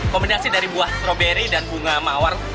kombinasi dari buah stroberi dan bunga mawar